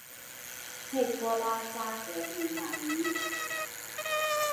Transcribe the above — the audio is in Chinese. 佩托拉扎格里马尼。